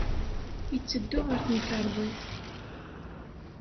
Yetteddu ɣer temkarḍit.